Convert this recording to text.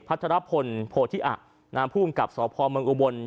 พัฒนาพลโพธิอักนามผู้อุ่งกับสอบพอมเมืองอุบวน